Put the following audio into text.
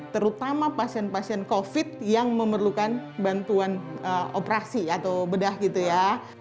terutama pasien pasien covid yang memerlukan bantuan operasi atau bedah gitu ya